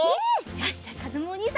よしじゃあかずむおにいさん